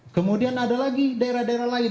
kemudian ada lagi daerah daerah lain